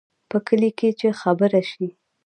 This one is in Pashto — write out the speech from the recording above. په کلي کې چې خبره شي،